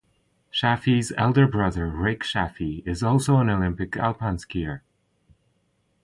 Chaffee's elder brother Rick Chaffee is also an Olympic alpine skier.